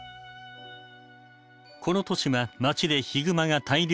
この年は町でヒグマが大量出没。